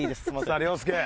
さあ亮介。